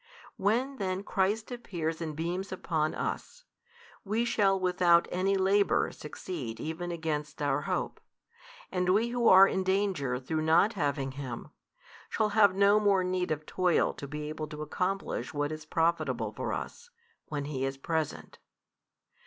When then Christ appears and beams upon us, we shall without any labour succeed even against our hope, and we who are in danger through not having Him, shall have no more need of toil to be able to accomplish what is profitable for us, when He is present.